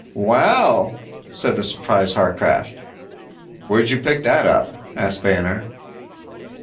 "Well," said the surprised Warcraft. "Where'd you pick that up," asked Banner.